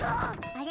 あれ？